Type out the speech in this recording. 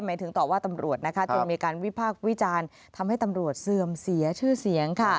หมายถึงต่อว่าตำรวจจนมีการวิพากษ์วิจารณ์ทำให้ตำรวจเสื่อมเสียชื่อเสียง